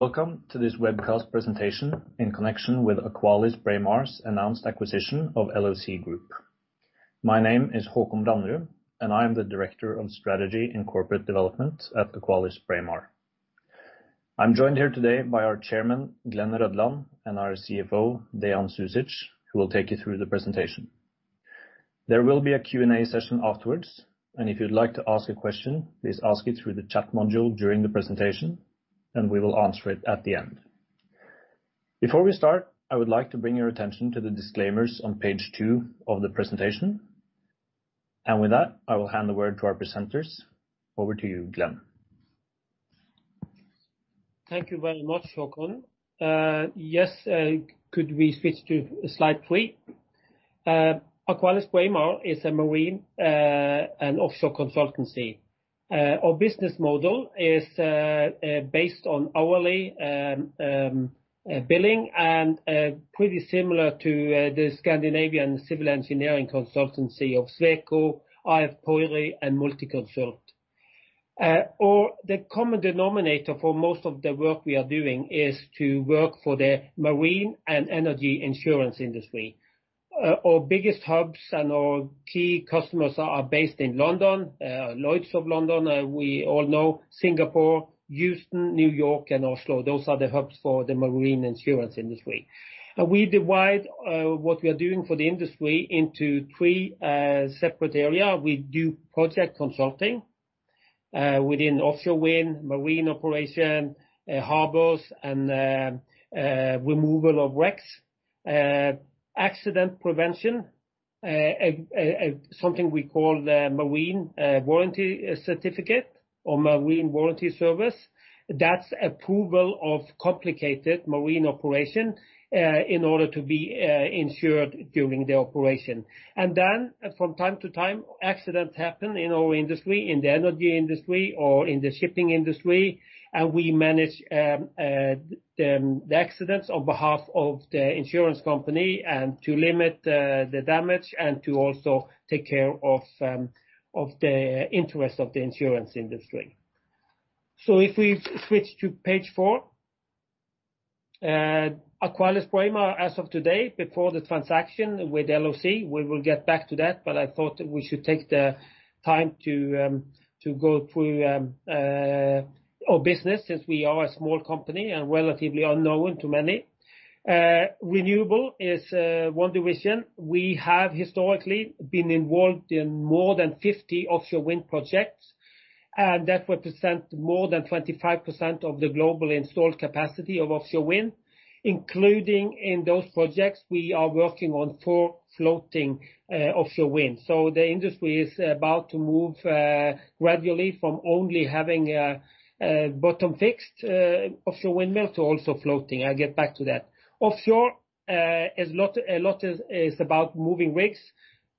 Welcome to this webcast presentation in connection with AqualisBraemar's announced acquisition of LOC Group. My name is Haakon Brandrud, and I am the Director of Strategy and Corporate Development at AqualisBraemar. I am joined here today by our Chairman, Glen Rødland, and our CFO, Dean Zuzic, who will take you through the presentation. There will be a Q&A session afterwards, and if you would like to ask a question, please ask it through the chat module during the presentation, and we will answer it at the end. Before we start, I would like to bring your attention to the disclaimers on page two of the presentation. With that, I will hand the word to our presenters. Over to you, Glen. Thank you very much, Haakon. Could we switch to slide three? AqualisBraemar is a marine and offshore consultancy. Our business model is based on hourly billing and pretty similar to the Scandinavian civil engineering consultancy of Sweco, AF Gruppen, and Multiconsult. The common denominator for most of the work we are doing is to work for the marine and energy insurance industry. Our biggest hubs and our key customers are based in London, Lloyd's of London, we all know Singapore, Houston, New York, and Oslo. Those are the hubs for the marine insurance industry. We divide what we are doing for the industry into three separate areas. We do project consulting within offshore wind, marine operation, harbors, and removal of wrecks. Accident prevention, something we call the marine warranty certificate or marine warranty service. That's approval of complicated marine operation in order to be insured during the operation. Then from time to time, accidents happen in our industry, in the energy industry or in the shipping industry, and we manage the accidents on behalf of the insurance company and to limit the damage and to also take care of the interest of the insurance industry. If we switch to page four. AqualisBraemar, as of today, before the transaction with LOC, we will get back to that, but I thought we should take the time to go through our business since we are a small company and relatively unknown to many. Renewable is one division. We have historically been involved in more than 50 offshore wind projects, and that represent more than 25% of the global installed capacity of offshore wind. Including in those projects, we are working on four floating offshore winds. The industry is about to move gradually from only having a bottom-fixed offshore windmill to also floating. I'll get back to that. Offshore, a lot is about moving rigs.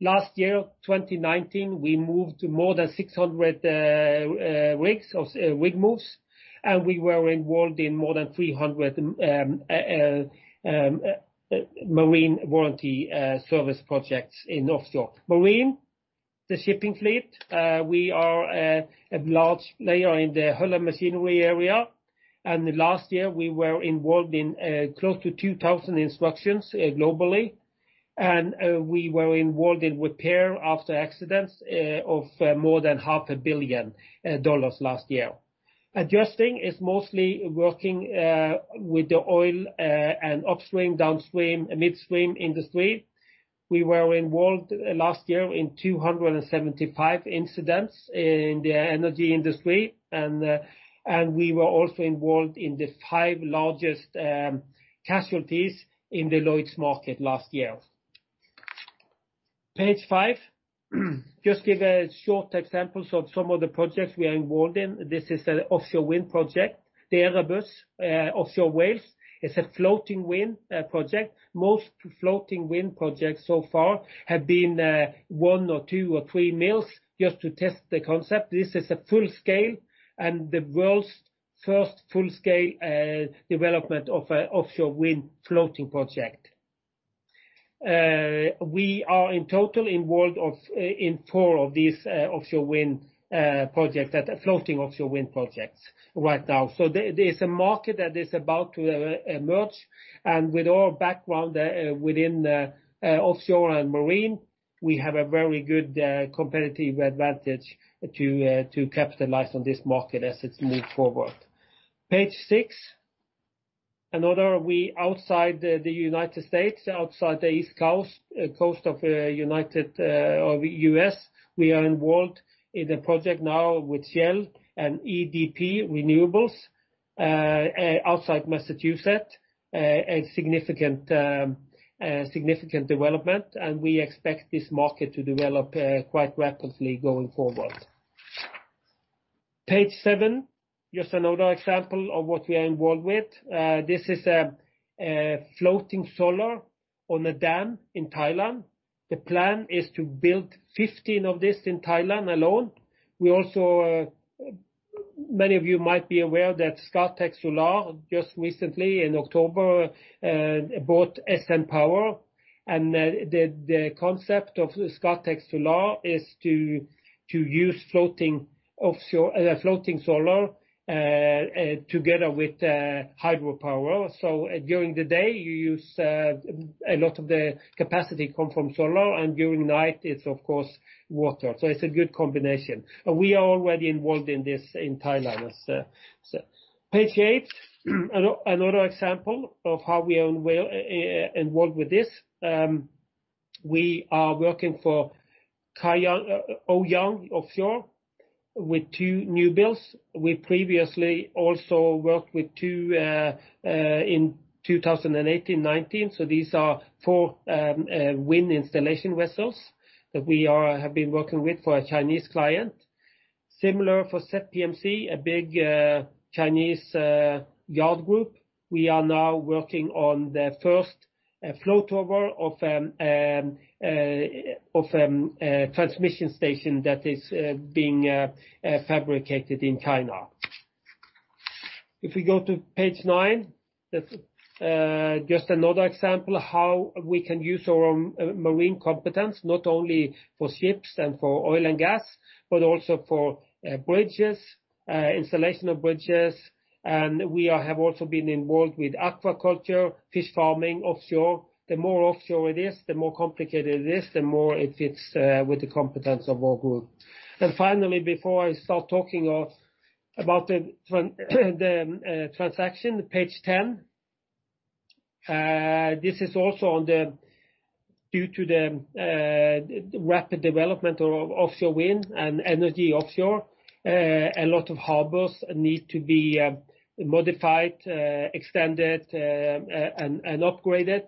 Last year, 2019, we moved more than 600 rigs with moves, and we were involved in more than 300 marine warranty service projects in offshore. Marine, the shipping fleet. We are a large player in the hull and machinery area, and last year we were involved in close to 2,000 inspections globally, and we were involved in repair after accidents of more than half a billion dollars last year. Adjusting is mostly working with the oil and upstream, downstream, midstream industry. We were involved last year in 275 incidents in the energy industry, and we were also involved in the five largest casualties in the Lloyd's market last year. Page five. Just give a short examples of some of the projects we are involved in. This is an offshore wind project. The Erebus, offshore Wales, is a floating wind project. Most floating wind projects so far have been one or two or three mills just to test the concept. This is a full-scale and the world's first full-scale development of an offshore wind floating project. We are in total involved in four of these offshore wind projects that are floating offshore wind projects right now. There is a market that is about to emerge, and with our background within offshore and marine, we have a very good competitive advantage to capitalize on this market as it's moved forward. Page six. Another outside the U.S., outside the East Coast of U.S., we are involved in a project now with Shell and EDP Renewables outside Massachusetts, a significant development, and we expect this market to develop quite rapidly going forward. Page seven, just another example of what we are involved with. This is a floating solar on a dam in Thailand. The plan is to build 15 of these in Thailand alone. Many of you might be aware that Scatec Solar just recently in October bought SN Power and the concept of Scatec Solar is to use floating solar together with hydropower. During the day, you use a lot of the capacity come from solar and during night it's of course water. It's a good combination. We are already involved in this in Thailand. Page eight, another example of how we are involved with this. We are working for Ouyang Offshore with two new builds. We previously also worked with two in 2018/19, so these are four wind installation vessels that we have been working with for a Chinese client. Similar forZPMC, a big Chinese yard group. We are now working on the first float-over of transmission station that is being fabricated in China. If we go to page nine, that's just another example of how we can use our marine competence not only for ships and for oil and gas, but also for bridges, installation of bridges. We have also been involved with aquaculture, fish farming offshore. The more offshore it is, the more complicated it is, the more it fits with the competence of our group. Finally, before I start talking about the transaction, page 10. This is also due to the rapid development of offshore wind and energy offshore. A lot of harbors need to be modified, extended, and upgraded.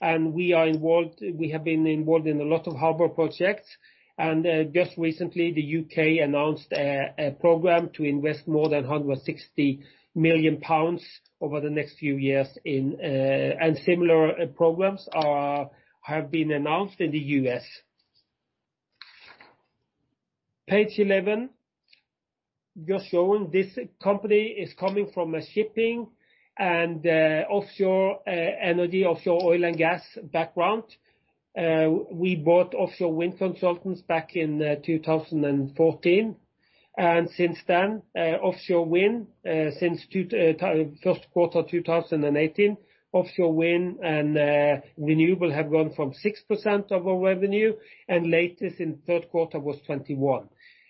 We have been involved in a lot of harbor projects. Just recently the U.K. announced a program to invest more than 160 million pounds over the next few years and similar programs have been announced in the U.S. Page 11, just showing this company is coming from a shipping and offshore energy, offshore oil and gas background. We bought Offshore Wind Consultants back in 2014. Since first quarter 2018, offshore wind and renewable have gone from 6% of our revenue and latest in third quarter was 21%.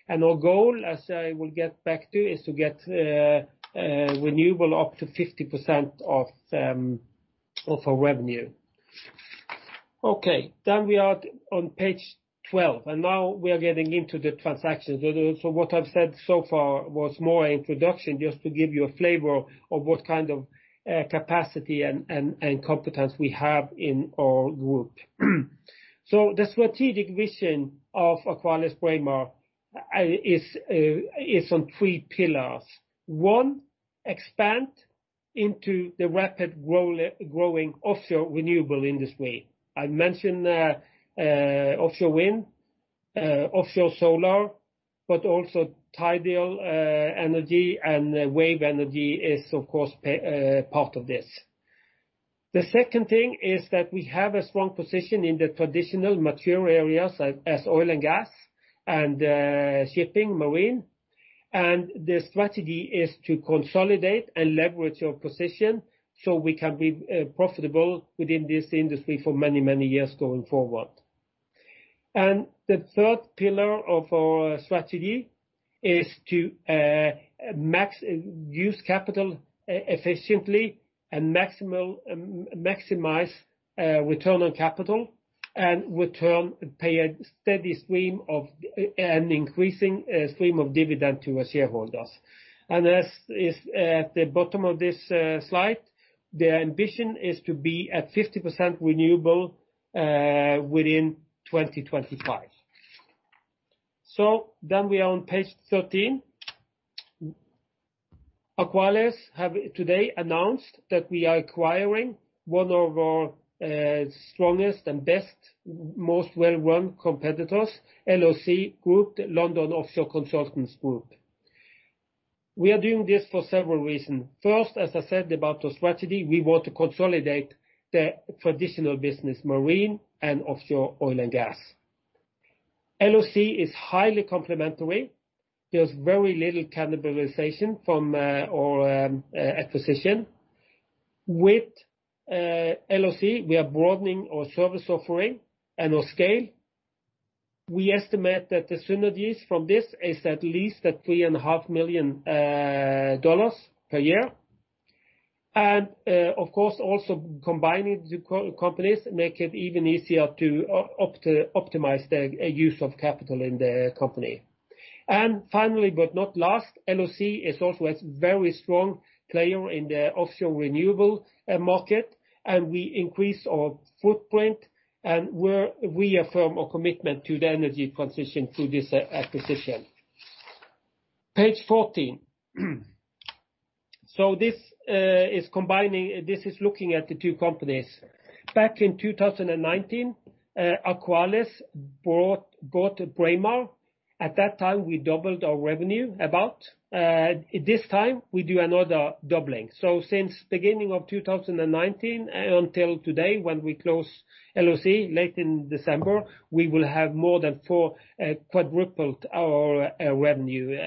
Our goal, as I will get back to, is to get renewable up to 50% of our revenue. Okay, we are on page 12. We are getting into the transactions. What I've said so far was more introduction just to give you a flavor of what kind of capacity and competence we have in our group. The strategic vision of AqualisBraemar is on three pillars. One, expand into the rapid growing offshore renewable industry. I mentioned offshore wind, offshore solar, but also tidal energy and wave energy is of course part of this. The second thing is that we have a strong position in the traditional mature areas as oil and gas and shipping, marine. The strategy is to consolidate and leverage our position so we can be profitable within this industry for many, many years going forward. The third pillar of our strategy is to use capital efficiently and maximize return on capital and pay a steady stream of an increasing stream of dividend to our shareholders. As is at the bottom of this slide, the ambition is to be at 50% renewable within 2025. We are on page 13. AqualisBraemar have today announced that we are acquiring one of our strongest and best, most well-run competitors, LOC Group, London Offshore Consultants Group. We are doing this for several reasons. First, as I said about our strategy, we want to consolidate the traditional business marine and offshore oil and gas. LOC is highly complementary. There's very little cannibalization from our acquisition. With LOC, we are broadening our service offering and our scale. We estimate that the synergies from this is at least at $3.5 million per year. Of course also combining the companies make it even easier to optimize the use of capital in the company. Finally, but not last, LOC is also a very strong player in the offshore renewable market, and we increase our footprint, and we affirm our commitment to the energy transition through this acquisition. Page 14. This is looking at the two companies. Back in 2019, AqualisBraemar bought Braemar. At that time, we doubled our revenue. This time, we do another doubling. Since beginning of 2019 until today when we close LOC late in December, we will have more than quadrupled our revenue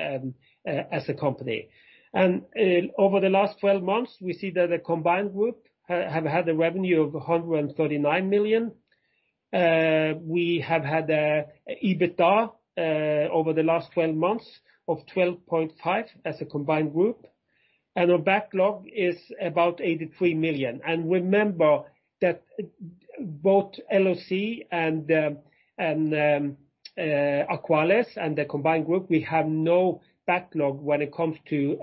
as a company. Over the last 12 months, we see that the combined group have had a revenue of $139 million. We have had EBITDA over the last 12 months of 12.5 as a combined group, and our backlog is about $83 million. Remember that both LOC and AqualisBraemar and the combined group, we have no backlog when it comes to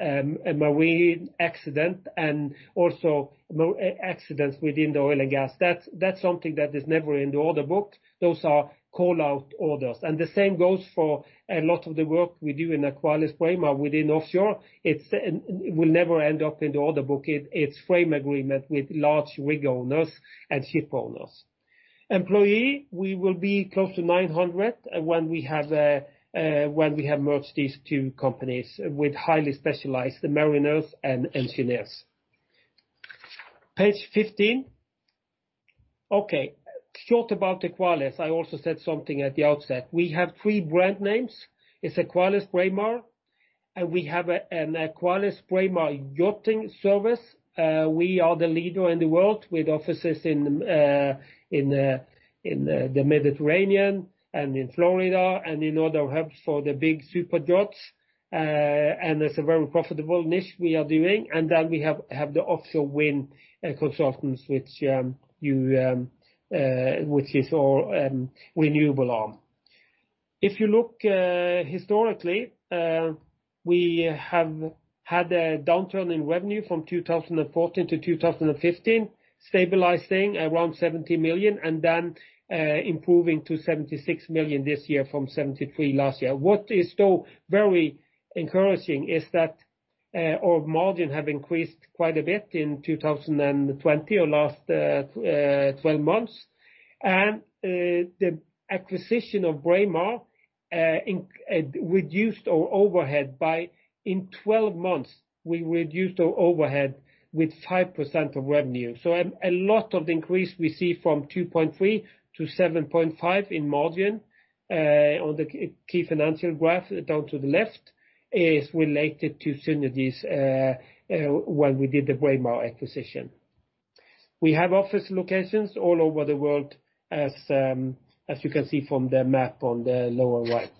marine accidents and also accidents within the oil and gas. That is something that is never in the order book. Those are call-out orders. The same goes for a lot of the work we do in AqualisBraemar within offshore. It will never end up in the order book. It is frame agreement with large rig owners and ship owners. Employees, we will be close to 900 when we have merged these two companies with highly specialized mariners and engineers. Page 15. Okay, short about AqualisBraemar, I also said something at the outset. We have three brand names. It is AqualisBraemar, and we have an AqualisBraemar Yacht Services. We are the leader in the world with offices in the Mediterranean and in Florida and in other hubs for the big super yachts. It's a very profitable niche we are doing, then we have the Offshore Wind Consultants, which is our renewable arm. If you look historically, we have had a downturn in revenue from 2014 to 2015, stabilizing around 70 million and then improving to 76 million this year from 73 million last year. What is still very encouraging is that our margin have increased quite a bit in 2020 or last 12 months. The acquisition of Braemar reduced our overhead. In 12 months, we reduced our overhead with 5% of revenue. A lot of the increase we see from 2.3% to 7.5% in margin on the key financial graph down to the left is related to synergies when we did the Braemar acquisition. We have office locations all over the world as you can see from the map on the lower right.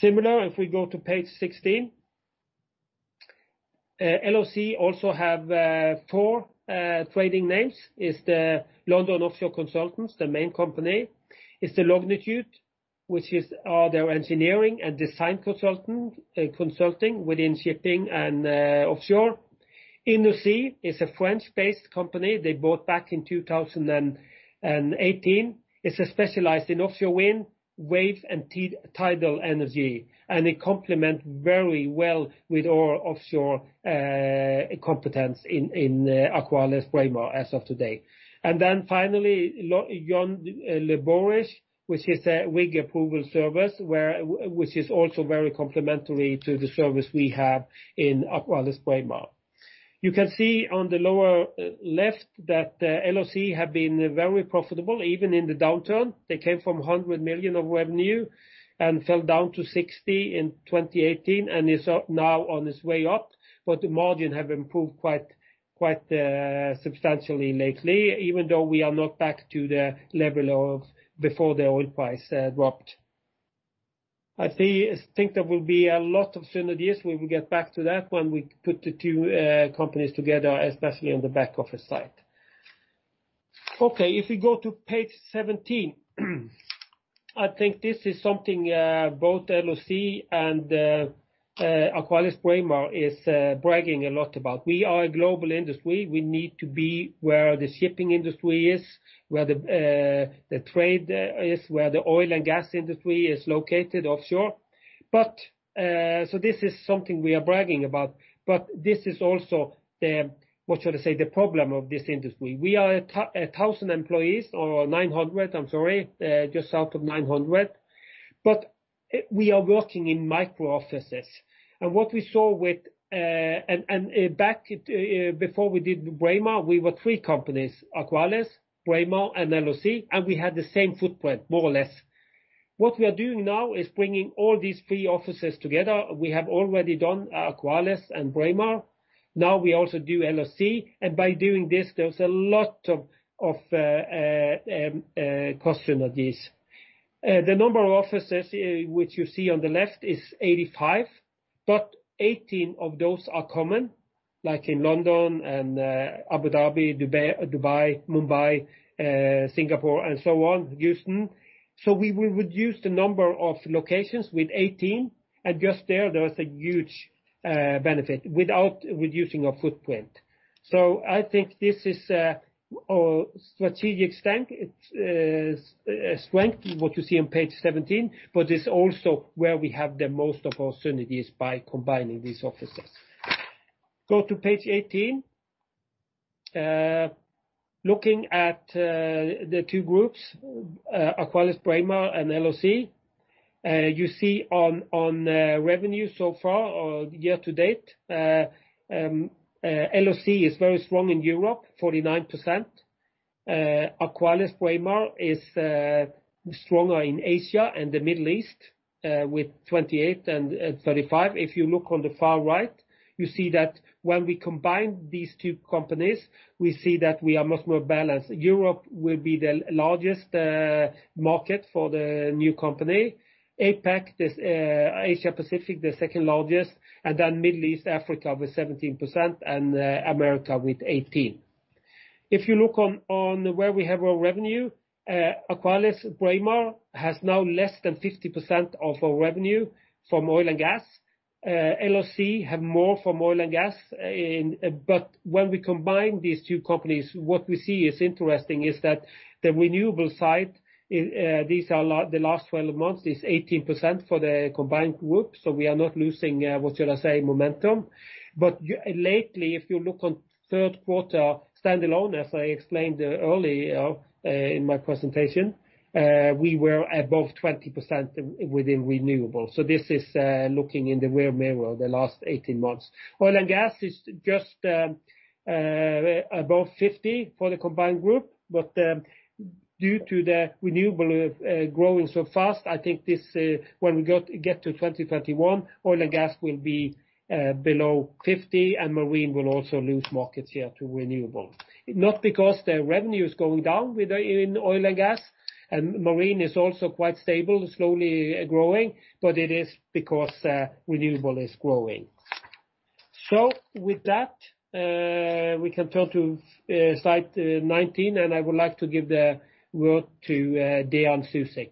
Similarly, if we go to page 16. LOC also have four trading names. Is the London Offshore Consultants, the main company. Is the Longitude, which is their engineering and design consulting within shipping and offshore. InnoSea is a French-based company they bought back in 2018. It's specialized in offshore wind, waves, and tidal energy, it complement very well with our offshore competence in AqualisBraemar as of today. Finally, John Le Bourhis, which is a rig approval service, which is also very complementary to the service we have in AqualisBraemar. You can see on the lower left that LOC have been very profitable, even in the downturn. They came from 100 million of revenue and fell down to 60 million in 2018, and is now on its way up. The margin have improved quite substantially lately, even though we are not back to the level of before the oil price dropped. I think there will be a lot of synergies. We will get back to that when we put the two companies together, especially on the back office side. If we go to page 17. I think this is something both LOC and AqualisBraemar is bragging a lot about. We are a global industry. We need to be where the shipping industry is, where the trade is, where the oil and gas industry is located offshore. This is something we are bragging about. This is also the problem of this industry. We are 1,000 employees, or 900, I'm sorry, just south of 900. We are working in micro offices. Back before we did Braemar, we were three companies, AqualisBraemar, Braemar, and LOC, and we had the same footprint, more or less. What we are doing now is bringing all these three offices together. We have already done AqualisBraemar and Braemar. We also do LOC, and by doing this, there's a lot of cost synergies. The number of offices which you see on the left is 85, but 18 of those are common, like in London and Abu Dhabi, Dubai, Mumbai, Singapore, and so on, Houston. We will reduce the number of locations with 18, and just there is a huge benefit without reducing our footprint. I think this is a strategic strength, what you see on page 17, but it's also where we have the most opportunities by combining these offices. Go to page 18. Looking at the two groups, AqualisBraemar and LOC. You see on revenue so far or year to date, LOC is very strong in Europe, 49%. AqualisBraemar is stronger in Asia and the Middle East, with 28% and 35%. If you look on the far right, you see that when we combine these two companies, we see that we are much more balanced. Europe will be the largest market for the new company. APAC, Asia Pacific, the second largest, and then Middle East, Africa with 17% and America with 18%. If you look on where we have our revenue, AqualisBraemar has now less than 50% of our revenue from oil and gas. LOC have more from oil and gas. When we combine these two companies, what we see is interesting is that the renewable side, the last 12 months is 18% for the combined group. We are not losing, what should I say, momentum. Lately, if you look on third quarter standalone, as I explained earlier in my presentation, we were above 20% within renewable. This is looking in the rear mirror the last 18 months. Oil and gas is just above 50% for the combined group, but due to the renewable growing so fast, I think when we get to 2021, oil and gas will be below 50% and marine will also lose markets here to renewable. Not because the revenue is going down in oil and gas, and marine is also quite stable, slowly growing, but it is because renewable is growing. With that, we can turn to slide 19, and I would like to give the word to Dean Zuzic.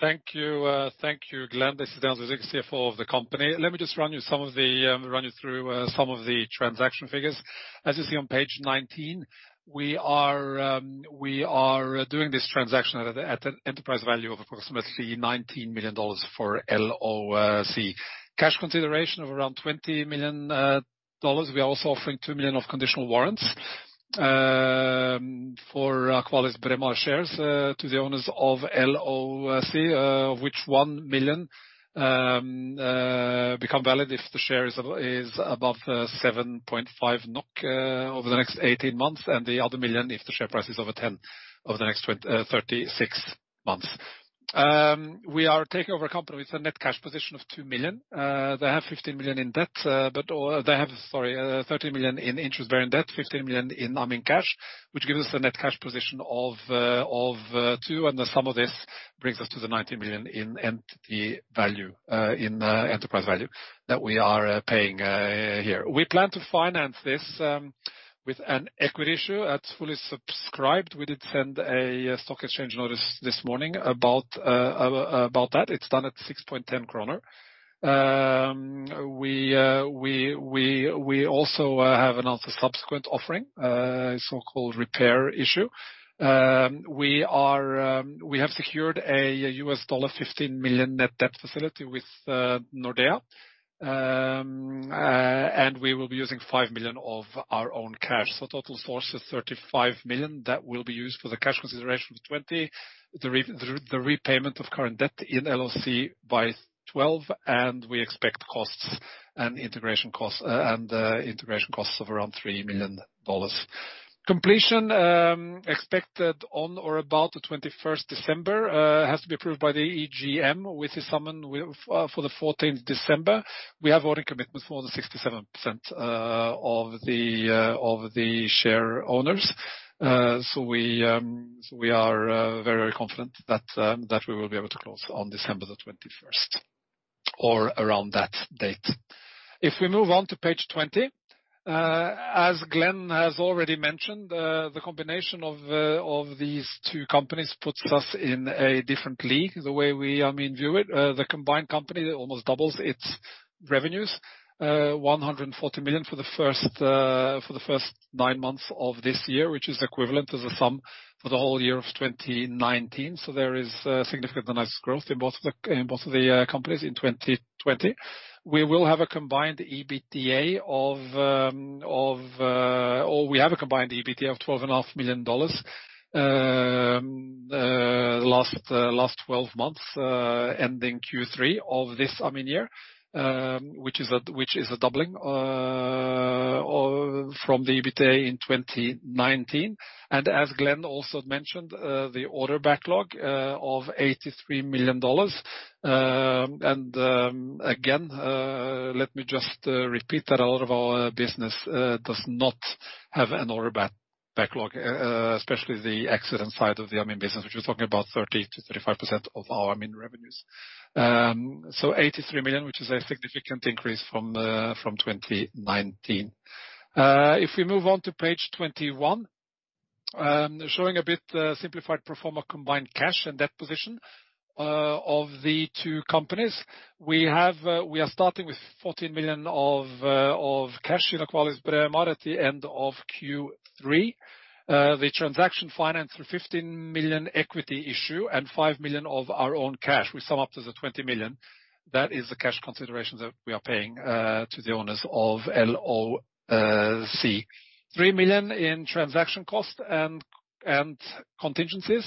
Thank you, Glen. This is Dean Zuzic, CFO of the company. Let me just run you through some of the transaction figures. As you see on page 19, we are doing this transaction at an enterprise value of approximately $19 million for LOC. Cash consideration of around $20 million. We are also offering two million of conditional warrants for AqualisBraemar shares to the owners of LOC, of which one million become valid if the share is above 7.5 NOK over the next 18 months, and the other million if the share price is over 10 over the next 36 months. We are taking over a company with a net cash position of $2 million. They have 15 million in debt, sorry, 30 million in interest-bearing debt, 15 million in cash, which gives us a net cash position of $2 million. The sum of this brings us to the $19 million in entity value, in enterprise value that we are paying here. We plan to finance this with an equity issue at fully subscribed. We did send a stock exchange notice this morning about that. It's done at 6.10 kroner. We also have another subsequent offering, so-called repair issue. We have secured a $15 million net debt facility with Nordea. We will be using 5 million of our own cash. Total source is 35 million. That will be used for the cash consideration of 20 million, the repayment of current debt in LOC by 12 million, and we expect costs and integration costs of around $3 million. Completion expected on or about the 21st December, has to be approved by the EGM, which is summoned for the 14th December. We have already commitment for the 67% of the share owners. We are very confident that we will be able to close on December the 21st or around that date. If we move on to page 20. As Glen has already mentioned, the combination of these two companies puts us in a different league, the way we view it. The combined company almost doubles its revenues, $140 million for the first nine months of this year, which is equivalent as a sum for the whole year of 2019. There is significant nice growth in both of the companies in 2020. We will have a combined EBITDA of $12.5 million last 12 months, ending Q3 of this calendar year, which is a doubling from the EBITDA in 2019. As Glen also mentioned, the order backlog of $83 million. Again, let me just repeat that a lot of our business does not have an order backlog, especially the accident side of the business, which we're talking about 30%-35% of our revenues. $83 million, which is a significant increase from 2019. If we move on to page 21 showing a bit simplified pro forma combined cash and debt position of the two companies. We are starting with $14 million of cash in AqualisBraemar at the end of Q3. The transaction finance through $15 million equity issue and $5 million of our own cash. We sum up to the $20 million. That is the cash consideration that we are paying to the owners of LOC. $3 million in transaction cost and contingencies.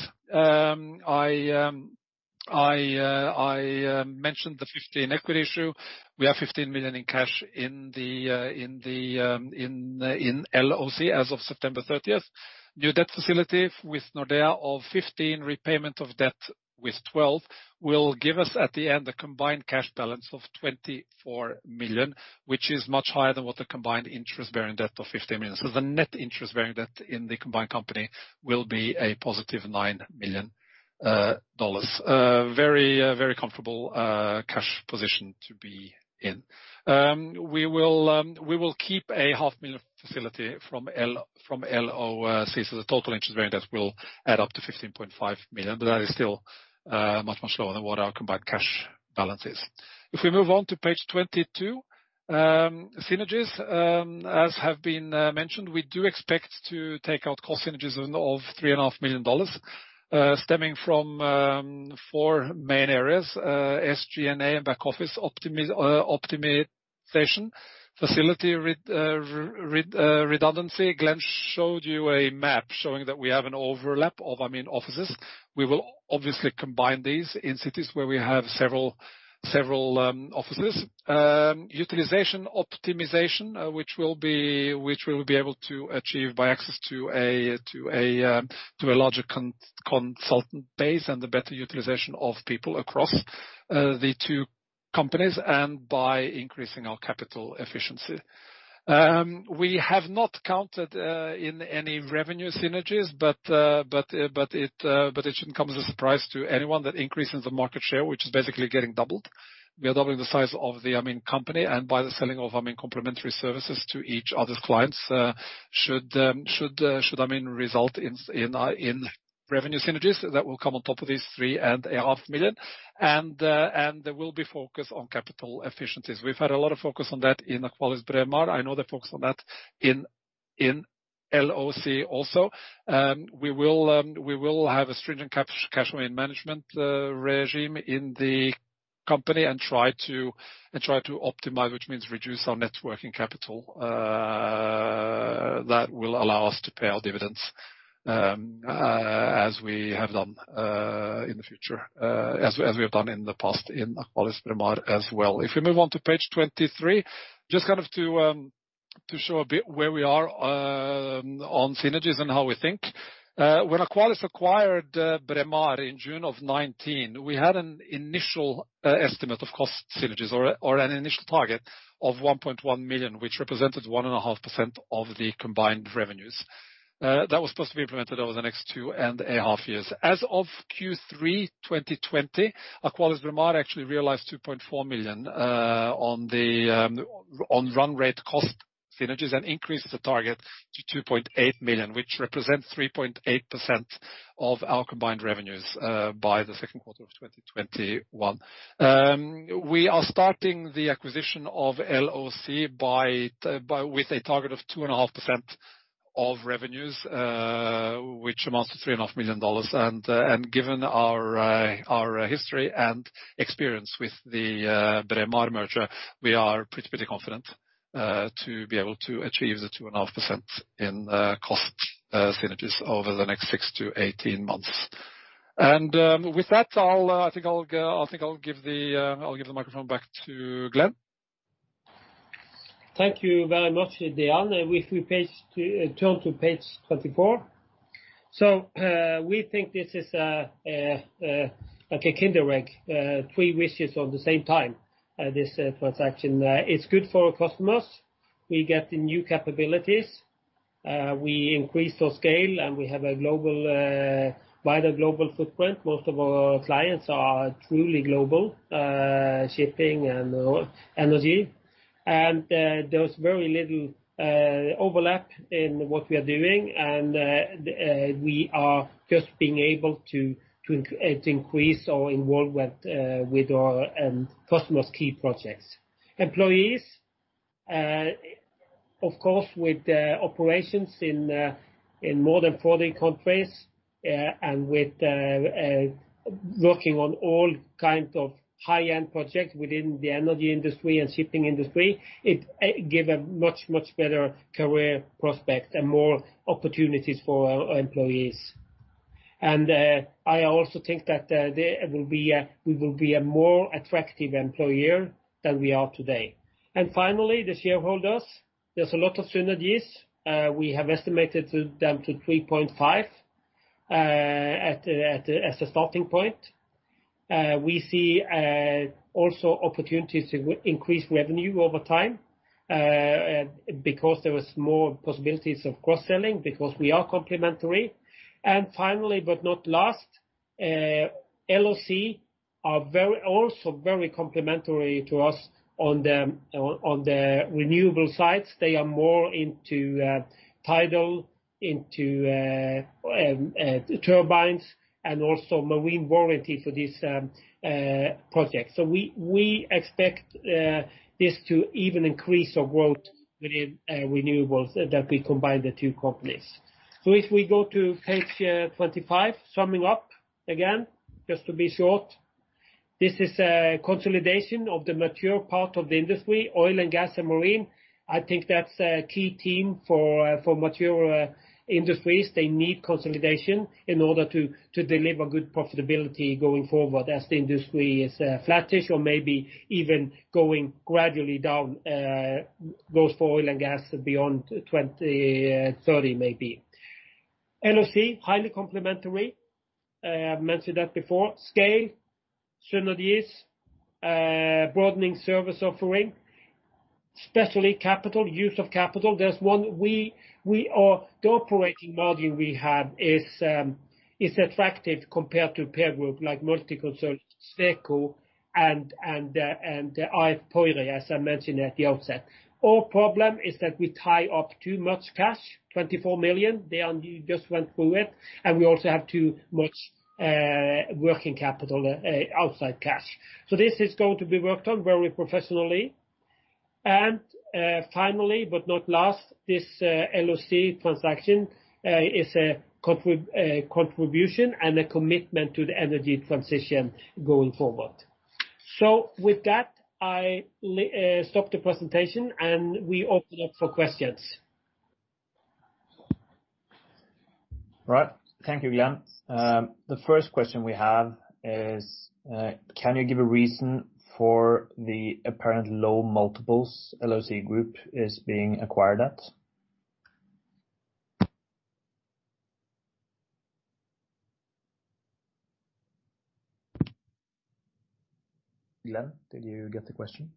I mentioned the $15 equity issue. We have $15 million in cash in LOC as of September 30th. New debt facility with Nordea of $15, repayment of debt with $12, will give us, at the end, a combined cash balance of $24 million, which is much higher than what the combined interest bearing debt of $15 million. The net interest bearing debt in the combined company will be a positive $9 million. Very comfortable cash position to be in. We will keep a $half million facility from LOC. The total interest bearing debt will add up to $15.5 million, that is still much lower than what our combined cash balance is. If we move on to page 22, synergies. As have been mentioned, we do expect to take out cost synergies of $3.5 million stemming from four main areas, SG&A and back office optimization, facility redundancy. Glen showed you a map showing that we have an overlap of marine offices. We will obviously combine these in cities where we have several offices. Utilization optimization, which we will be able to achieve by access to a larger consultant base and a better utilization of people across the two companies, and by increasing our capital efficiency. We have not counted in any revenue synergies, but it shouldn't come as a surprise to anyone that increase in the market share, which is basically getting doubled. We are doubling the size of the ABL Group and by the selling of ABL Group complementary services to each other's clients should ABL Group result in revenue synergies that will come on top of these $3.5 Million. There will be focus on capital efficiencies. We've had a lot of focus on that in AqualisBraemar. I know they focus on that in LOC also. We will have a stringent cash management regime in the company and try to optimize, which means reduce our net working capital. That will allow us to pay our dividends as we have done in the past in AqualisBraemar as well. If we move on to page 23, just to show a bit where we are on synergies and how we think. When AqualisBraemar acquired Braemar in June of 2019, we had an initial estimate of cost synergies or an initial target of $1.1 million, which represented 1.5% of the combined revenues. That was supposed to be implemented over the next two and a half years. As of Q3 2020, AqualisBraemar actually realized $2.4 million on run rate cost synergies and increased the target to $2.8 million, which represents 3.8% of our combined revenues by the second quarter of 2021. We are starting the acquisition of LOC with a target of 2.5% of revenues, which amounts to $3.5 million. Given our history and experience with the Braemar merger, we are pretty confident to be able to achieve the 2.5% in cost synergies over the next six to 18 months. With that, I think I'll give the microphone back to Glen. Thank you very much, Dean. If we turn to page 24. We think this is like a kinder egg, three wishes on the same time, this transaction. It's good for our customers. We get the new capabilities. We increase our scale, and we have a wider global footprint. Most of our clients are truly global, shipping and energy. There's very little overlap in what we are doing, and we are just being able to increase our involvement with our customers' key projects. Employees, of course, with operations in more than 40 countries and with working on all kind of high-end projects within the energy industry and shipping industry, it give a much better career prospect and more opportunities for our employees. I also think that we will be a more attractive employer than we are today. Finally, the shareholders. There's a lot of synergies. We have estimated them to 3.5 as a starting point. We see also opportunities to increase revenue over time because there is more possibilities of cross-selling because we are complementary. Finally, but not last, LOC are also very complementary to us on the renewable side. They are more into tidal, into turbines and also marine warranty for this project. We expect this to even increase our growth within renewables that we combine the two companies. If we go to page 25, summing up again, just to be short. This is a consolidation of the mature part of the industry, oil and gas and marine. I think that's a key theme for mature industries. They need consolidation in order to deliver good profitability going forward as the industry is flattish or maybe even going gradually down, goes for oil and gas beyond 2030 maybe. LOC, highly complementary. I mentioned that before. Scale, synergies, broadening service offering, especially capital, use of capital. The operating model we have is attractive compared to peer group like Multiconsult, Sweco and ÅF Pöyry, as I mentioned at the outset. Our problem is that we tie up too much cash, $24 million. We just went through it, and we also have too much working capital outside cash. This is going to be worked on very professionally. Finally, but not last, this LOC transaction is a contribution and a commitment to the energy transition going forward. With that, I stop the presentation and we open up for questions. Right. Thank you, Glen. The first question we have is, can you give a reason for the apparent low multiples LOC Group is being acquired at? Glen, did you get the question?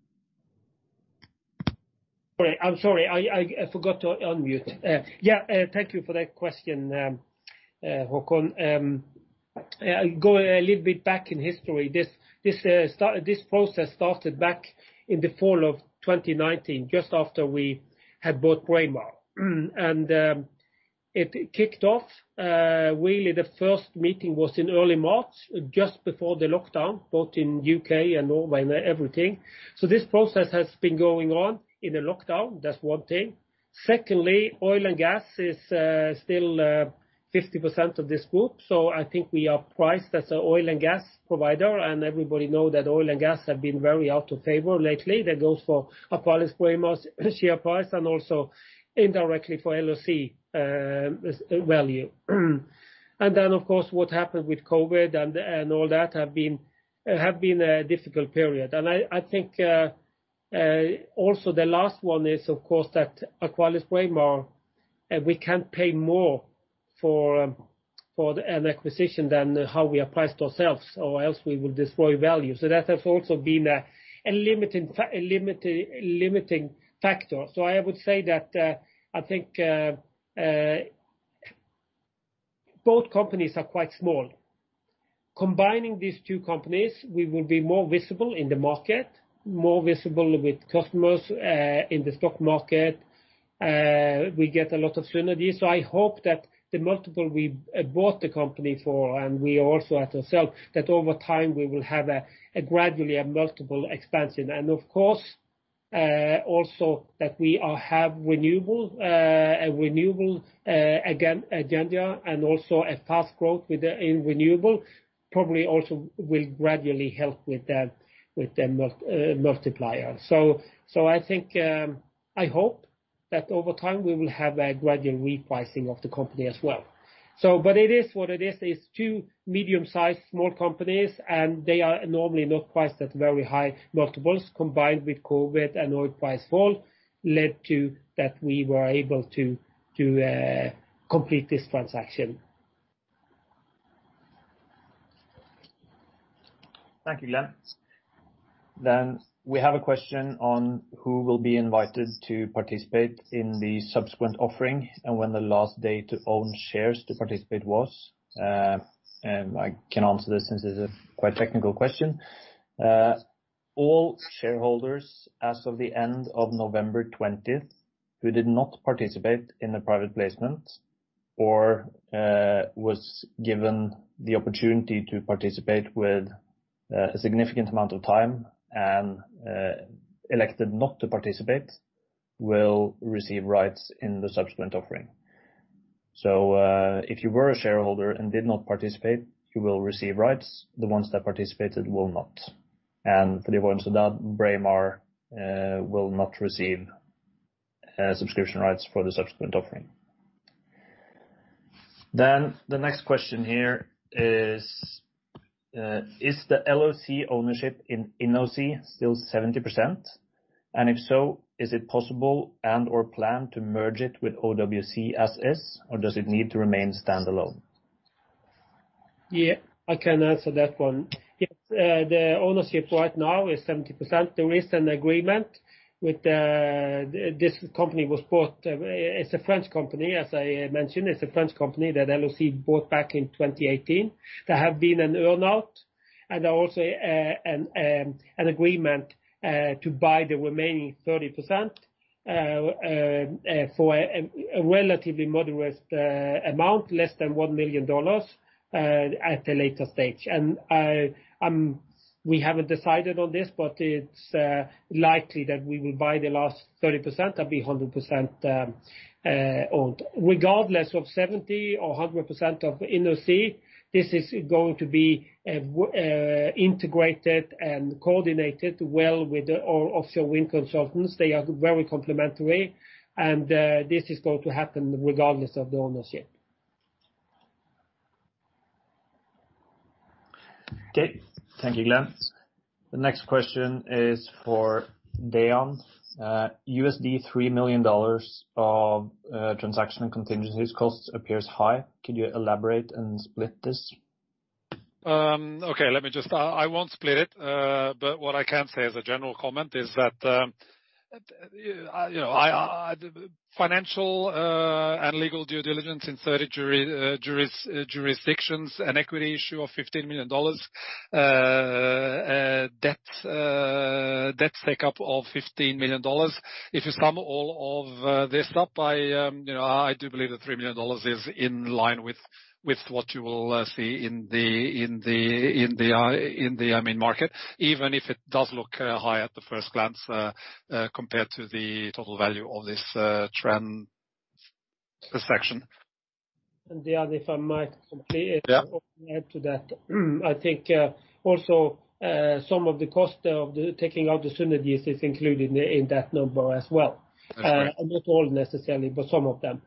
I'm sorry. I forgot to unmute. Thank you for that question, Haakon. Going a little bit back in history, this process started back in the fall of 2019, just after we had bought Braemar. It kicked off, really the first meeting was in early March, just before the lockdown, both in U.K. and Norway and everything. This process has been going on in a lockdown. That's one thing. Secondly, oil and gas is still 50% of this group, so I think we are priced as an oil and gas provider, and everybody know that oil and gas have been very out of favor lately. That goes for AqualisBraemar share price and also indirectly for LOC value. Then, of course, what happened with COVID and all that have been a difficult period. I think also the last one is, of course, that AqualisBraemar, we can't pay more for an acquisition than how we are priced ourselves, or else we will destroy value. That has also been a limiting factor. I would say that I think both companies are quite small. Combining these two companies, we will be more visible in the market, more visible with customers in the stock market. We get a lot of synergies. I hope that the multiple we bought the company for and we also at ourselves, that over time we will have gradually a multiple expansion. Of course, also that we have renewable agenda and also a fast growth in renewable probably also will gradually help with the multiplier. I hope that over time we will have a gradual repricing of the company as well. It is what it is. It's two medium-sized small companies, and they are normally not priced at very high multiples, combined with COVID and oil price fall led to that we were able to complete this transaction. Thank you, Glen. We have a question on who will be invited to participate in the subsequent offering and when the last day to own shares to participate was. I can answer this since it's a quite technical question. All shareholders as of the end of November 20th who did not participate in the private placement or was given the opportunity to participate with a significant amount of time and elected not to participate will receive rights in the subsequent offering. If you were a shareholder and did not participate, you will receive rights. The ones that participated will not. For the ones without Braemar will not receive subscription rights for the subsequent offering. The next question here is the LOC ownership in OWC still 70%? If so, is it possible and/or planned to merge it with OWC SAS, or does it need to remain standalone? Yeah, I can answer that one. Yes, the ownership right now is 70%. There is an agreement. This company was bought. It's a French company, as I mentioned. It's a French company that LOC bought back in 2018. There have been an earn-out and also an agreement to buy the remaining 30% for a relatively modest amount, less than $1 million, at a later stage. We haven't decided on this, but it's likely that we will buy the last 30% and be 100% owned. Regardless of 70 or 100% of InnoSea, this is going to be integrated and coordinated well with our Offshore Wind Consultants. They are very complementary, and this is going to happen regardless of the ownership. Okay. Thank you, Glen. The next question is for Dean Zuzic. $3 million of transaction contingencies costs appears high. Can you elaborate and split this? Okay, let me just I won't split it, but what I can say as a general comment is that financial and legal due diligence in 30 jurisdictions, an equity issue of $15 million, debt stack up of $15 million. If you sum all of this up, I do believe that $3 million is in line with what you will see in the main market, even if it does look high at the first glance, compared to the total value of this transaction. Dean. Yeah add to that. I think also some of the cost of taking out the synergies is included in that number as well. That's right. Not all necessarily, but some of them.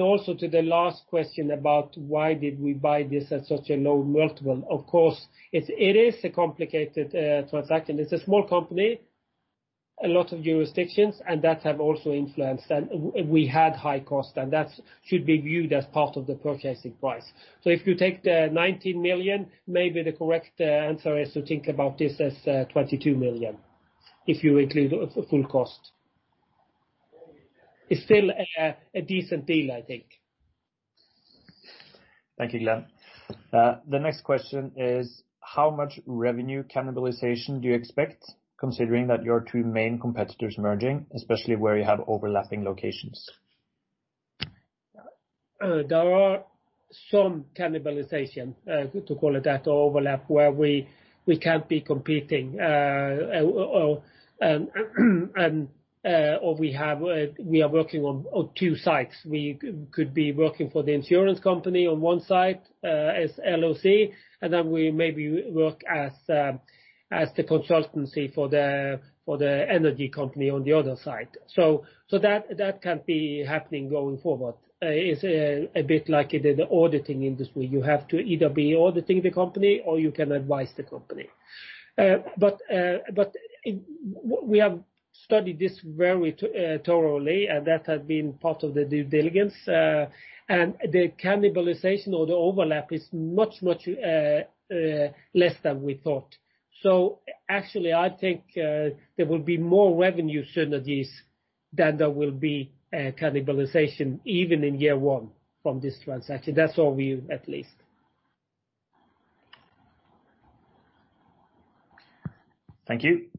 Also to the last question about why did we buy this at such a low multiple, of course, it is a complicated transaction. It's a small company, a lot of jurisdictions, and that have also influenced, and we had high costs, and that should be viewed as part of the purchasing price. If you take the $19 million, maybe the correct answer is to think about this as $22 million. If you include full cost. It's still a decent deal, I think. Thank you, Glen. The next question is, how much revenue cannibalization do you expect, considering that your two main competitors merging, especially where you have overlapping locations? There are some cannibalization, to call it that, or overlap where we can't be competing. We are working on two sites. We could be working for the insurance company on one site as LOC, we maybe work as the consultancy for the energy company on the other site. That can be happening going forward. It's a bit like in the auditing industry. You have to either be auditing the company or you can advise the company. We have studied this very thoroughly, and that has been part of the due diligence. The cannibalization or the overlap is much less than we thought. Actually, I think there will be more revenue synergies than there will be cannibalization, even in year one from this transaction. That's our view, at least. Thank you.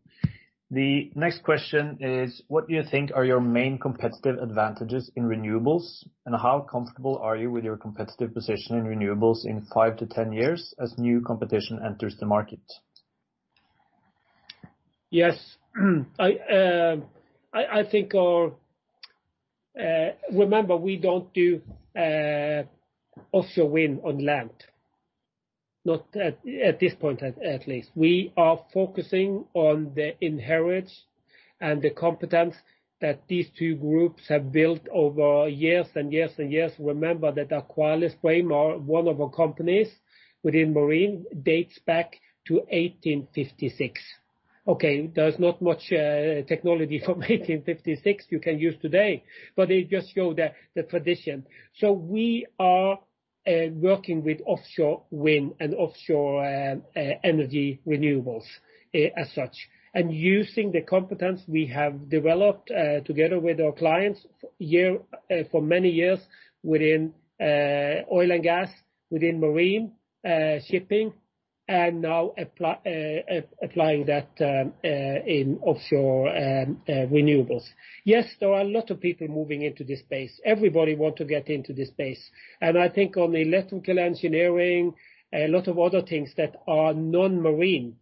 The next question is, what do you think are your main competitive advantages in renewables, and how comfortable are you with your competitive position in renewables in 5-10 years as new competition enters the market? Yes. Remember, we don't do offshore wind on land. Not at this point, at least. We are focusing on the inherent and the competence that these two groups have built over years and years and years. Remember that AqualisBraemar Wave, one of our companies within marine, dates back to 1856. Okay, there's not much technology from 1856 you can use today, but it just show the tradition. We are working with offshore wind and offshore energy renewables as such, and using the competence we have developed together with our clients for many years within oil and gas, within marine shipping, and now applying that in offshore renewables. Yes, there are a lot of people moving into this space. Everybody want to get into this space. I think on the electrical engineering, a lot of other things that are non-marine,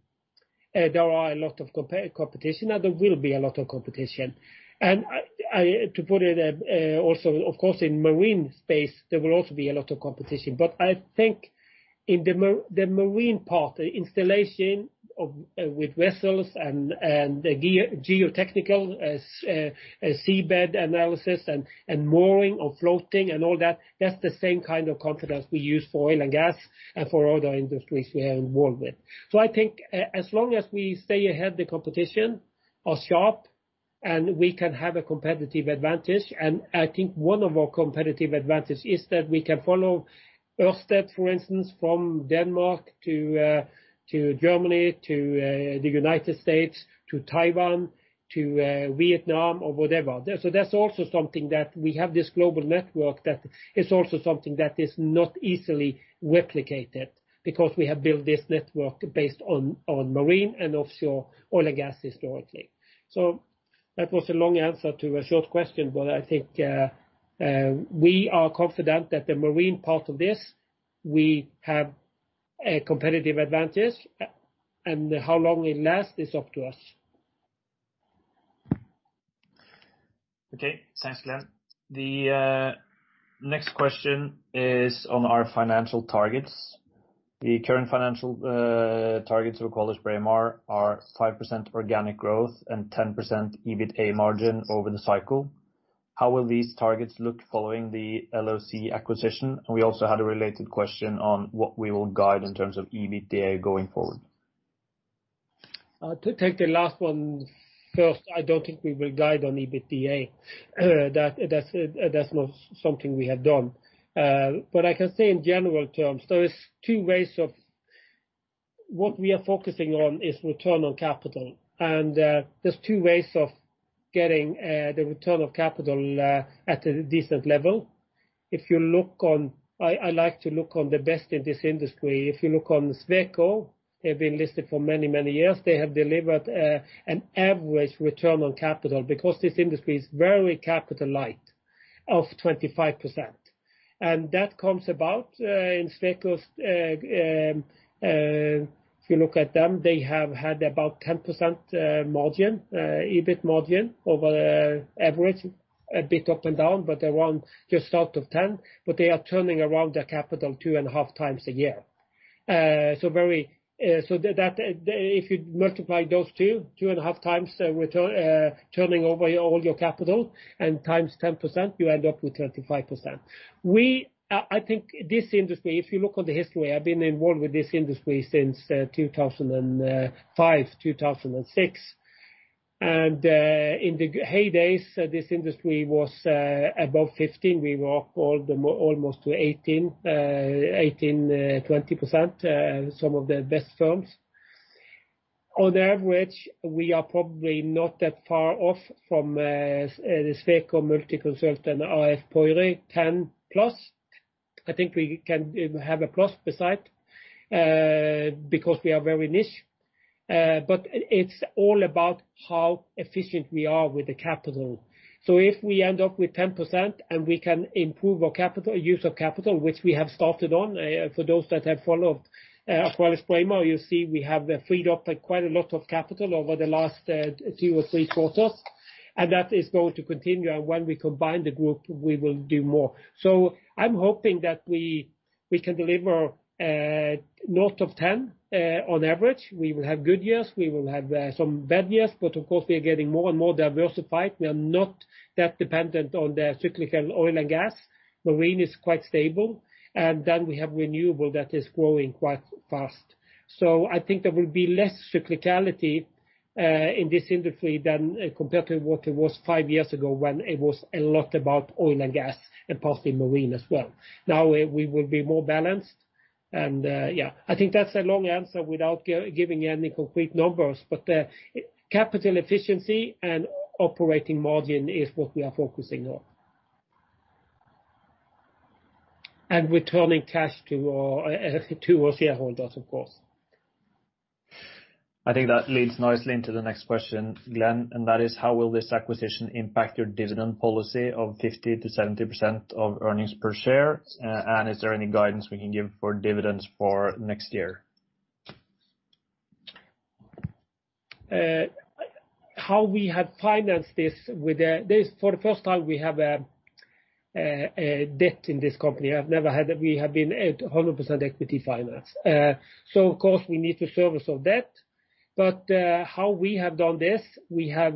there are a lot of competition, and there will be a lot of competition. To put it, also, of course, in marine space, there will also be a lot of competition. I think in the marine part, the installation with vessels and the geotechnical seabed analysis and mooring or floating and all that's the same kind of competence we use for oil and gas and for other industries we are involved with. I think as long as we stay ahead the competition or sharp and we can have a competitive advantage. I think one of our competitive advantage is that we can follow Ørsted, for instance, from Denmark to Germany, to the United States, to Taiwan, to Vietnam or wherever. That's also something that we have this global network that is also something that is not easily replicated, because we have built this network based on marine and offshore oil and gas historically. That was a long answer to a short question, but I think we are confident that the marine part of this, we have a competitive advantage. How long it lasts is up to us. Okay. Thanks, Glen. The next question is on our financial targets. The current financial targets of AqualisBraemar are 5% organic growth and 10% EBITA margin over the cycle. How will these targets look following the LOC acquisition? We also had a related question on what we will guide in terms of EBITDA going forward. To take the last one first, I don't think we will guide on EBITDA. That's not something we have done. I can say in general terms, what we are focusing on is return on capital. There's two ways of getting the return of capital at a decent level. I like to look on the best in this industry. If you look on Sweco, they've been listed for many years. They have delivered an average return on capital, because this industry is very capital light, of 25%. That comes about in Sweco's if you look at them, they have had about 10% margin, EBIT margin over average, a bit up and down, but around just out of 10. They are turning around their capital two and a half times a year. If you multiply those two and a half times return, turning over all your capital and times 10%, you end up with 25%. I think this industry, if you look on the history, I've been involved with this industry since 2005, 2006. In the heydays, this industry was above 15. We were up almost to 18%, 20%, some of the best firms. On average, we are probably not that far off from Sweco, Multiconsult, and ÅF Pöyry, 10 plus. I think we can have a plus beside, because we are very niche. It's all about how efficient we are with the capital. If we end up with 10% and we can improve our use of capital, which we have started on, for those that have followed AqualisBraemar, you see we have freed up quite a lot of capital over the last two or three quarters, and that is going to continue. When we combine the group, we will do more. I'm hoping that we can deliver north of 10 on average. We will have good years, we will have some bad years. Of course, we are getting more and more diversified. We are not that dependent on the cyclical oil and gas. Marine is quite stable. Then we have renewables that is growing quite fast. I think there will be less cyclicality in this industry than compared to what it was five years ago when it was a lot about oil and gas and partly marine as well. Now we will be more balanced. Yeah, I think that's a long answer without giving any concrete numbers. Capital efficiency and operating margin is what we are focusing on. Returning cash to our shareholders, of course. I think that leads nicely into the next question, Glen, that is how will this acquisition impact your dividend policy of 50% to 70% of earnings per share? Is there any guidance we can give for dividends for next year? How we have financed this for the first time, we have a debt in this company. I've never had that. We have been at 100% equity finance. Of course, we need to service our debt. How we have done this, of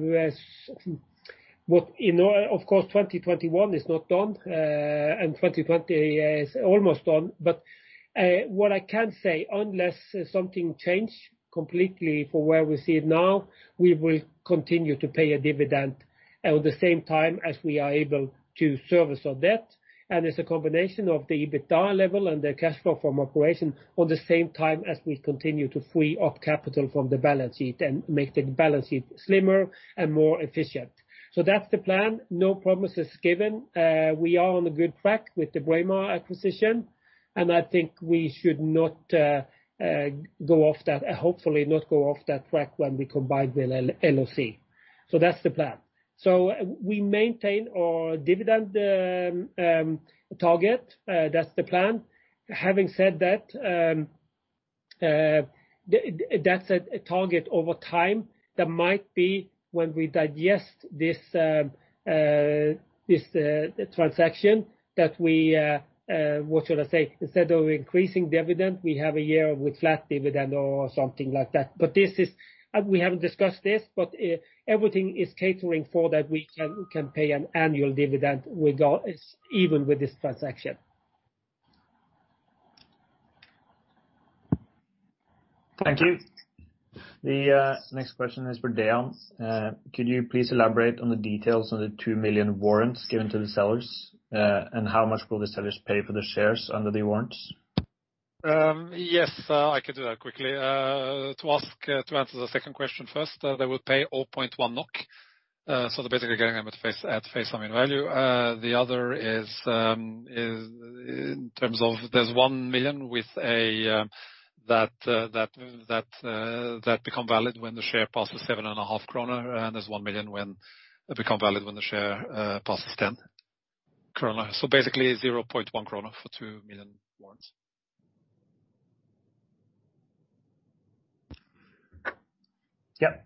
course, 2021 is not done, and 2020 is almost done. What I can say, unless something change completely from where we see it now, we will continue to pay a dividend at the same time as we are able to service our debt. It's a combination of the EBITDA level and the cash flow from operation on the same time as we continue to free up capital from the balance sheet and make the balance sheet slimmer and more efficient. That's the plan. No promises given. We are on a good track with the Braemar acquisition. I think we should hopefully not go off that track when we combine with LOC. That's the plan. We maintain our dividend target. That's the plan. Having said that's a target over time that might be when we digest this transaction that we, what should I say, instead of increasing dividend, we have a year with flat dividend or something like that. We haven't discussed this. Everything is catering for that we can pay an annual dividend even with this transaction. Thank you. The next question is for Dean, Could you please elaborate on the details on the 2 million warrants given to the sellers, and how much will the sellers pay for the shares under the warrants? Yes, I could do that quickly. To answer the second question first, they will pay 0.1 NOK, so they're basically getting them at face value. The other is, in terms of there's 1 million that become valid when the share passes 7.5 kroner, and there's 1 million become valid when the share passes 10 kroner. Basically, 0.1 kroner for 2 million warrants. Yep.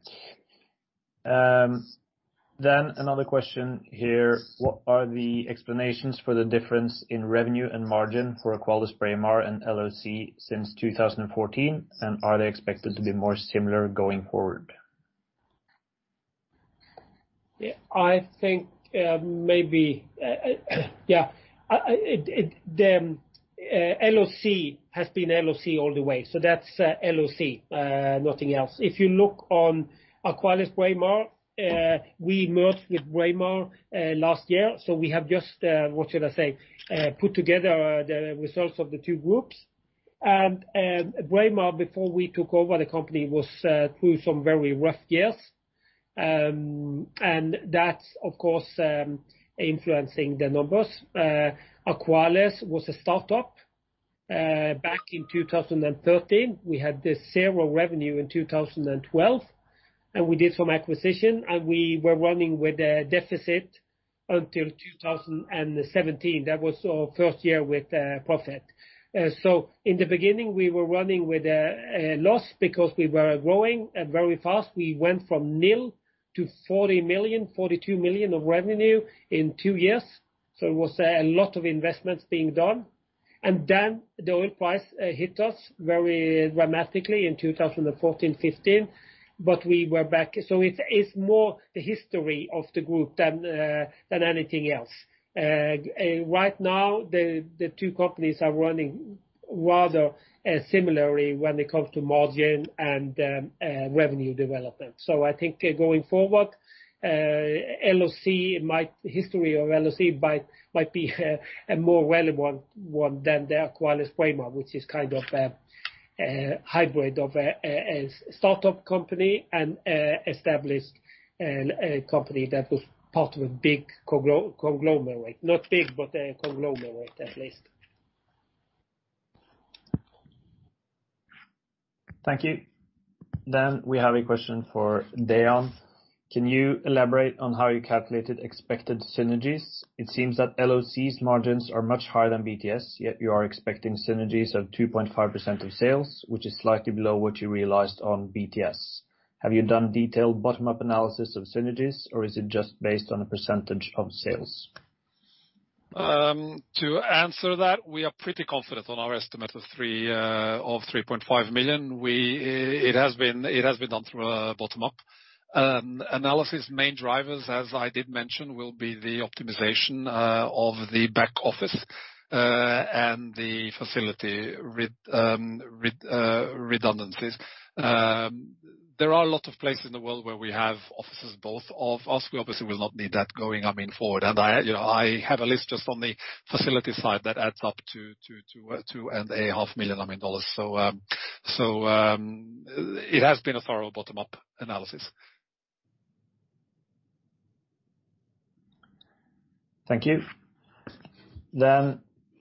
Another question here. What are the explanations for the difference in revenue and margin for AqualisBraemar and LOC since 2014? Are they expected to be more similar going forward? Yeah. LOC has been LOC all the way. That's LOC, nothing else. If you look on AqualisBraemar, we merged with Braemar last year, we have just, what should I say? Put together the results of the two groups. Braemar, before we took over the company, was through some very rough years. That's, of course, influencing the numbers. AqualisBraemar was a startup back in 2013. We had zero revenue in 2012 and we did some acquisition and we were running with a deficit until 2017. That was our first year with profit. In the beginning, we were running with a loss because we were growing very fast. We went from nil to $40 million, $42 million of revenue in two years. It was a lot of investments being done. The oil price hit us very dramatically in 2014, 2015, but we were back. It's more the history of the group than anything else. Right now, the two companies are running rather similarly when it comes to margin and revenue development. I think going forward, history of LOC might be a more relevant one than the AqualisBraemar, which is kind of a hybrid of a startup company and established company that was part of a big conglomerate. Not big, but a conglomerate at least. Thank you. We have a question for Dean. Can you elaborate on how you calculated expected synergies? It seems that LOC's margins are much higher than BTS, yet you are expecting synergies of 2.5% of sales, which is slightly below what you realized on BTS. Have you done detailed bottom-up analysis of synergies or is it just based on a percentage of sales? To answer that, we are pretty confident on our estimate of $3.5 million. It has been done through a bottom-up analysis. Main drivers, as I did mention, will be the optimization of the back office, and the facility redundancies. There are a lot of places in the world where we have offices, both of us. We obviously will not need that going forward. I have a list just on the facility side that adds up to two and a half million dollars. It has been a thorough bottom-up analysis. Thank you.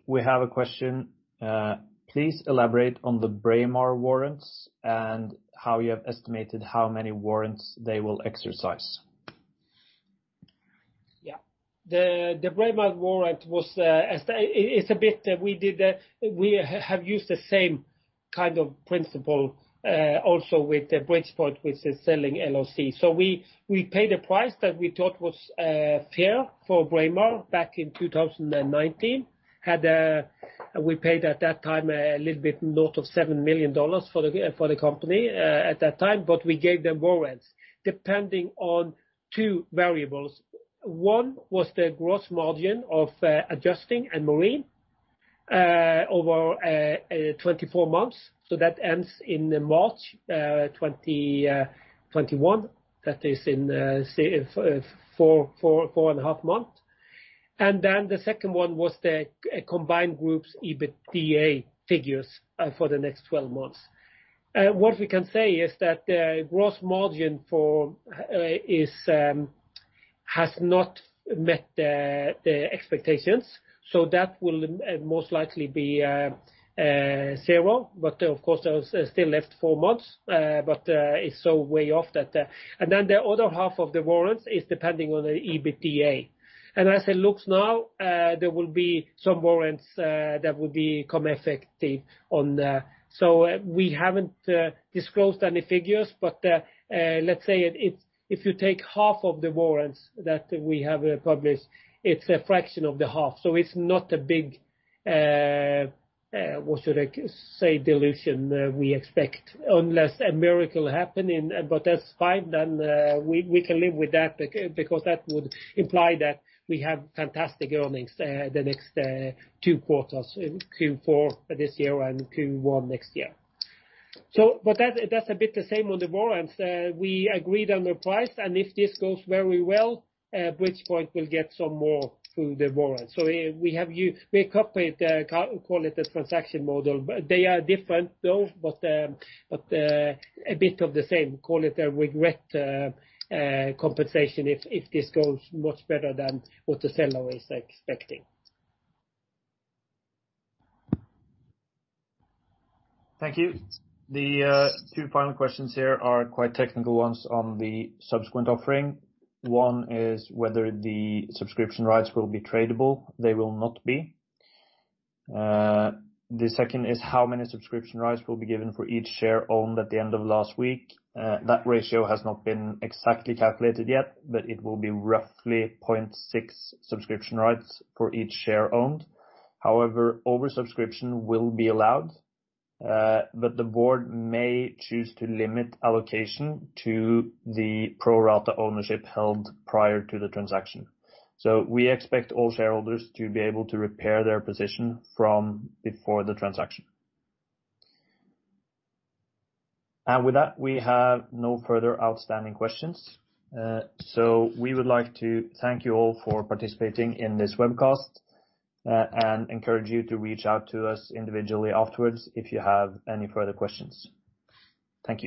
We have a question. Please elaborate on the Braemar warrants and how you have estimated how many warrants they will exercise? Yeah. The Braemar warrant, we have used the same kind of principle also with Bridgepoint, with the selling LOC. We paid a price that we thought was fair for Braemar back in 2019. We paid at that time a little bit north of $7 million for the company at that time, but we gave them warrants depending on two variables. One was the gross margin of adjusting and marine over 24 months. That ends in March 2021. That is in four and a half months. The second one was the combined group's EBITDA figures for the next 12 months. What we can say is that the gross margin has not met the expectations, that will most likely be zero. Of course, there's still left four months, but it's so way off that. The other half of the warrants is depending on the EBITDA. As it looks now, there will be some warrants that will become effective on. We haven't disclosed any figures, but let's say if you take half of the warrants that we have published, it's a fraction of the half. It's not a big, what should I say, dilution we expect unless a miracle happen, but that's fine then we can live with that because that would imply that we have fantastic earnings the next two quarters, in Q4 this year and Q1 next year. That's a bit the same on the warrants. We agreed on the price, and if this goes very well, Bridgepoint will get some more through the warrants. We copied, call it, the transaction model. They are different though, but a bit of the same, call it, regret compensation if this goes much better than what the seller is expecting. Thank you. The two final questions here are quite technical ones on the subsequent offering. One is whether the subscription rights will be tradable. They will not be. The second is how many subscription rights will be given for each share owned at the end of last week. That ratio has not been exactly calculated yet, but it will be roughly 0.6 subscription rights for each share owned. However, oversubscription will be allowed, but the board may choose to limit allocation to the pro rata ownership held prior to the transaction. We expect all shareholders to be able to repair their position from before the transaction. With that, we have no further outstanding questions. We would like to thank you all for participating in this webcast, and encourage you to reach out to us individually afterwards if you have any further questions. Thank you.